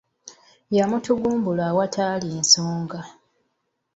Yamutugumbula awatali nsonga.